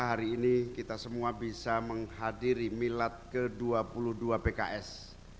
hari ini kita semua bisa menghadiri milad ke dua puluh dua pks